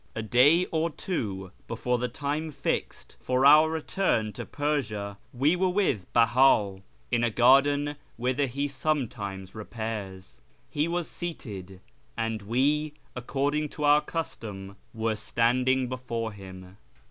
A day or two before the time fixed for our return to Persia we were with Beha, in a garden whither he sometimes repairs. He was seated, and we, according to our custom, were standing before him.